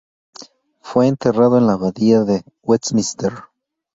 Fue enterrado en la abadía de Westminster.